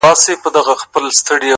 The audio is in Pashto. ملا صاحب دې گرځي بې ايمانه سرگردانه _